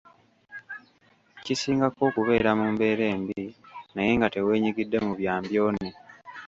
Kisingako okubeera mu mbeera embi naye nga teweenyigidde mu byambyone.